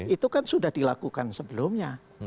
itu kan sudah dilakukan sebelumnya